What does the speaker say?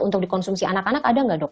untuk dikonsumsi anak anak ada nggak dok